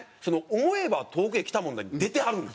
『思えば遠くへ来たもんだ』に出てはるんです。